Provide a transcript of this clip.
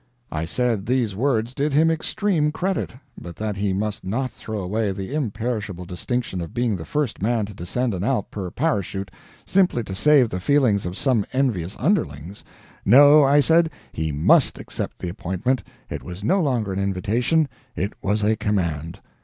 I said these words did him extreme credit, but that he must not throw away the imperishable distinction of being the first man to descend an Alp per parachute, simply to save the feelings of some envious underlings. No, I said, he MUST accept the appointment it was no longer an invitation, it was a command.